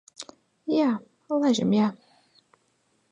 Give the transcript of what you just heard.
Jā, laižam. Jā.